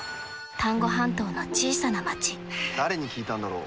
丹後半島の小さな町誰に聞いたんだろう。